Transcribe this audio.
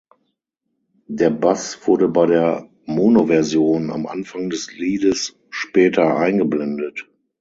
Der Bass wurde bei der Monoversion am Anfang des Liedes später eingeblendet.